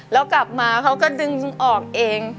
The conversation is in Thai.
แล้วกลับมาเขาก็ดึงออกเอง